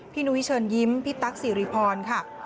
พี่หนูวิเชิญยิ้มพี่ตั๊กสิริพรค่ะ